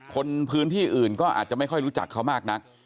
คนพื้นที่อื่นก็อาจจะไม่ค่อยรู้จักเขามากนัก